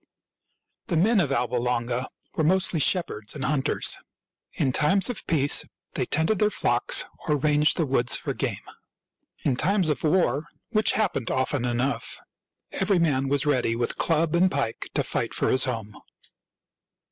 The men of Alba Longa were mostly shepherds and hunters. In times of peace they tended .their flocks or ranged the woods for game. In times of war — which happened often enough — every man was ready with club and pike to fight for his home.